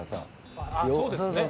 あっそうですね。